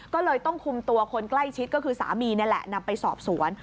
ก็เลยต้องคุมตัวคนใกล้ชิดก็คือสามีนี่แหละนำไปสอบสวน